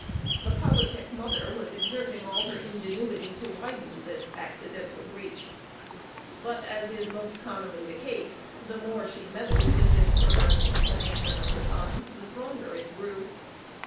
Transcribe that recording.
The politic mother was exerting all her ingenuity to widen this accidental breach; but, as is most commonly the case, the more she meddled with this perverse inclination of her son, the stronger it grew.